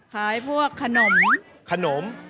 ขายพวกขนมขนม